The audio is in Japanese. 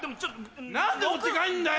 何で持って帰るんだよ！